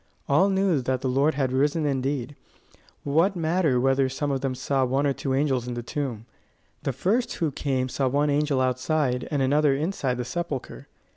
All knew that the Lord had risen indeed: what matter whether some of them saw one or two angels in the tomb? The first who came saw one angel outside and another inside the sepulchre.